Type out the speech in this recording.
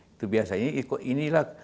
itu biasanya inilah